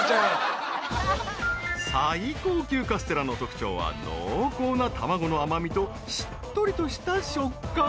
［最高級カステラの特徴は濃厚な卵の甘みとしっとりとした食感］